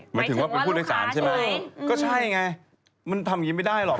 หมายถึงว่าเป็นผู้โดยสารใช่ไหมก็ใช่ไงมันทำอย่างนี้ไม่ได้หรอก